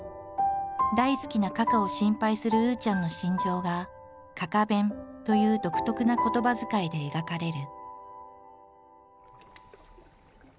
大好きなかかを心配するうーちゃんの心情が「かか弁」という独特な言葉遣いで描かれる。